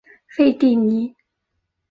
费蒂尼。